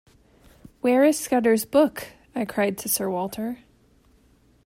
“Where is Scudder’s book?” I cried to Sir Walter.